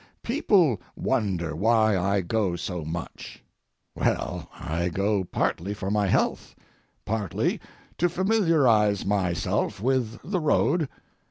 People wonder why I go so much. Well, I go partly for my health, partly to familiarize myself with the road.